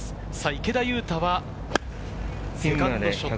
池田勇太は、セカンドショット。